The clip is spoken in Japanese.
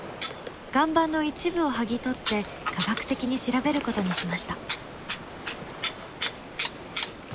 岩盤の一部を剥ぎ取って科学的に調べることにしました。